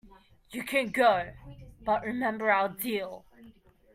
You can go, but remember our deal.